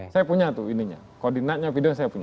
saya punya tuh ininya koordinatnya video saya punya